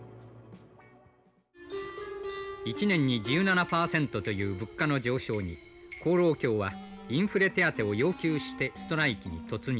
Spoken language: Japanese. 「１年に１７％という物価の上昇に公労協はインフレ手当を要求してストライキに突入」。